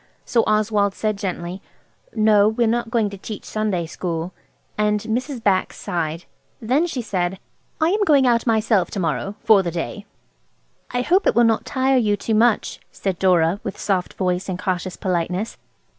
So Oswald said gently– "No, we are not going to teach Sunday school." Mrs. Bax sighed. Then she said– "I am going out myself to morrow–for the day." "I hope it will not tire you too much," said Dora, with soft voiced and cautious politeness.